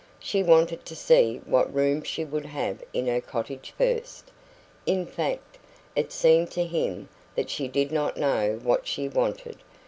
She wanted to see what room she would have in her cottage first. In fact, it seemed to him that she did not know what she wanted.